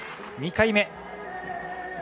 ２回目。